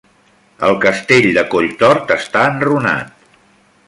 El castell de Colltort està enrunat.